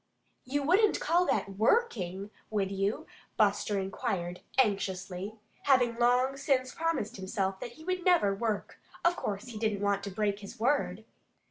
"You wouldn't call that WORKING, would you?" Buster inquired anxiously. Having long since promised himself that he would never work, of course he didn't want to break his word.